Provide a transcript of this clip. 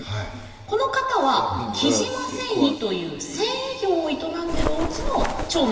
この方は雉真繊維という繊維業を営んでいるおうちの長男。